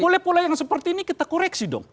polep polep yang seperti ini kita koreksi dong